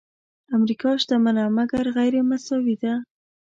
امریکا شتمنه مګر غیرمساوي ده.